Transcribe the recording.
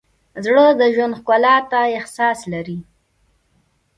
زړه د ژوند ښکلا ته احساس لري.